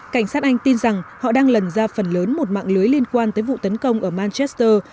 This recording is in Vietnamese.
cảnh sát anh tin rằng họ đang lần ra phần lớn một mạng lưới liên quan tới vụ tấn công ở machester